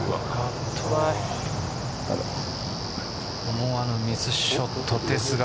思わぬミスショットですが。